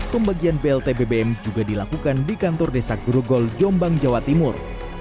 pembagian blt bbm juga dilakukan di kantor desa gurugol jombang jawa timur